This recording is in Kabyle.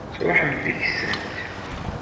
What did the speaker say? Tṛuḥemt deg-sent.